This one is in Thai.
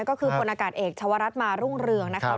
ก็คือพลอากาศเอกชาวรัฐมารุ่งเรืองนะครับ